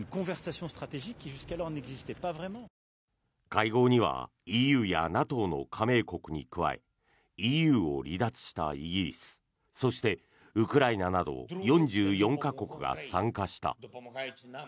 会合にはＥＵやＮＡＴＯの加盟国に加えＥＵを離脱したイギリスそして、ウクライナなど４４か国が参加した。